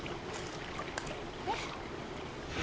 えっ？